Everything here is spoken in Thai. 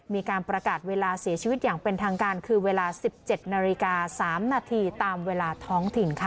มีการประกาศเวลาเสียชีวิตอย่างเป็นทางการคือเวลา๑๗นาฬิกา๓นาทีตามเวลาท้องถิ่นค่ะ